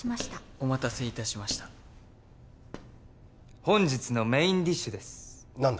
・お待たせいたしました本日のメインディッシュです何だ